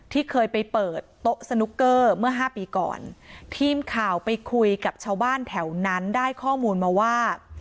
ที่เคยไปเปิดโต๊ะสนุกเกอร์เมื่อห้าปีก่อนทีมข่าวไปคุยกับชาวบ้านแถวนั้นได้ข้อมูลมาว่า